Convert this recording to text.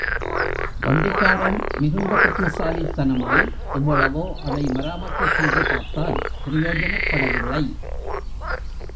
வண்டிக்காரன் மிகுந்த புத்திசாலித்தனமாய் எவ்வளவோ அதை மராமத்து செய்து பார்த்தான் பிரயோஜனப்படவில்லை.